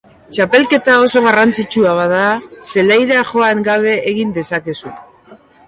Txapelketa oso garrantzitsua bada zelaira joan gabe egin dezakezu.